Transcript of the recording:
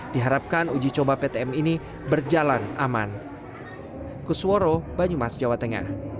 diharapkan uji coba ptm ini berjalan aman